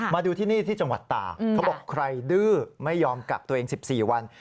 มาดูที่นี่ที่จังหวัดตากเขาบอกใครดื้อไม่ยอมกักตัวเอง๑๔วัน